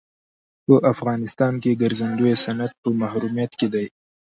په افغانستان کې د ګرځندوی صنعت په محرومیت کې دی.